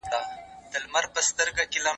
که وخت وي، درسونه لوستل کوم،